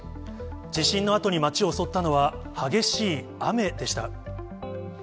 地震のあとに街を襲ったのは、激しい雨でした。